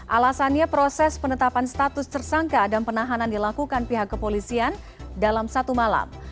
alasannya proses penetapan status tersangka dan penahanan dilakukan pihak kepolisian dalam satu malam